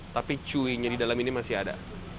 tapi cuy nya di dalam ini masih ada